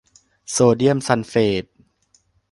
โซเดียมซัลเฟต